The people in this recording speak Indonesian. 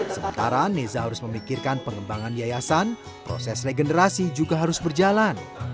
sementara neza harus memikirkan pengembangan yayasan proses regenerasi juga harus berjalan